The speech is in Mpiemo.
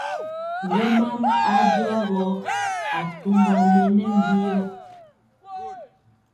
Ŋgomam a jɔ gɔ, atumba mɛ nɛ mbiyɔ.